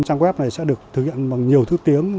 trang web này sẽ được thực hiện bằng nhiều thứ tiếng